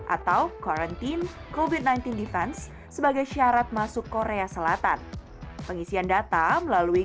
atau quarantine covid sembilan belas defense sebagai syarat masuk korea selatan pengisian data melalui